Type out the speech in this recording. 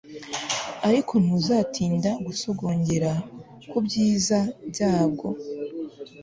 ariko ntuzatinda gusogongera ku byiza byabwo